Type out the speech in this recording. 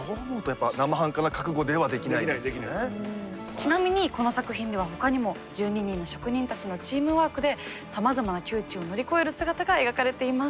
ちなみにこの作品ではほかにも１２人の職人たちのチームワークでさまざまな窮地を乗り越える姿が描かれています。